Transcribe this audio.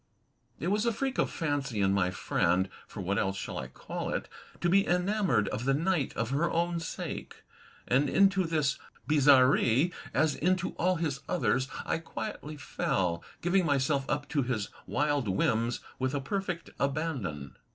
It was a freak of fancy in my friend (for what else shall I call it?) to be enamoured of the night for her own sake; and into this bizar rerie, as into all his others, I quietly fell; giving m3rself up to his wild whims with a perfect abandon.